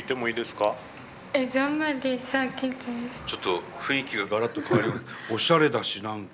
ちょっと雰囲気がガラッと変わりおしゃれだし何か。